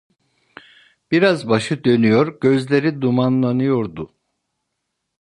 Biraz başı dönüyor, gözleri dumanlanıyordu.